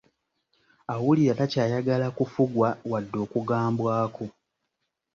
Awulira takyayagala kufugwa wadde okugambwako.